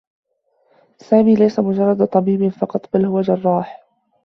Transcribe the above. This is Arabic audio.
سامي ليس مجرّد طبيب فقط، بل هو جرّاح.